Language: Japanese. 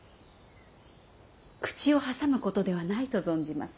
口を挟むことではないと存じます。